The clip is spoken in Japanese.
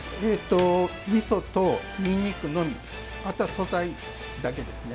みそとにんにく、あとは素材だけですね。